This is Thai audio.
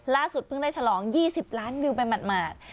ล่าสุดเพิ่งได้ฉลอง๒๐ล้านวิวไปหมด